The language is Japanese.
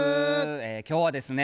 今日はですね